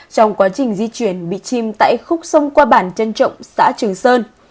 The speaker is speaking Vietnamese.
trong quá trình di chuyển bị chim tại khúc sông qua bản trân trọng xã trường sơn